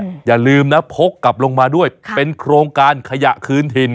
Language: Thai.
อย่าลืมนะพกกลับลงมาด้วยค่ะเป็นโครงการขยะคืนถิ่น